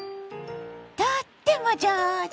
とっても上手！